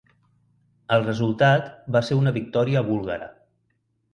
El resultat va ser una victòria búlgara.